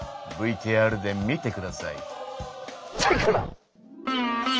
ＶＴＲで見てください。